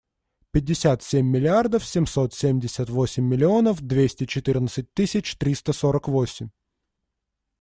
Пятьдесят семь миллиардов семьсот семьдесят восемь миллионов двести четырнадцать тысяч триста сорок восемь.